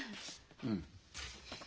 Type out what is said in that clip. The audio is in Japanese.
うん。